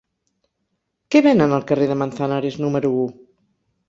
Què venen al carrer de Manzanares número u?